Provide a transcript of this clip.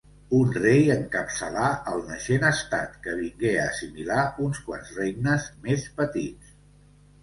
Un rei encapçalà el naixent estat, que vingué a assimilar uns quants regnes més petits.